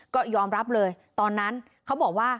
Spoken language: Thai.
ก็ยอมรับเลยตอนนั้นเขาบอกว่า